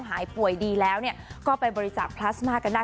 หายป่วยดีแล้วก็ไปบริจาคพลาสมากันได้